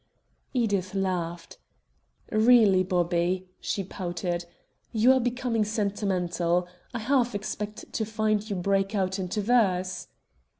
Edith laughed. "Really, Bobby," she pouted, "you are becoming sentimental. I half expect to find you break out into verse."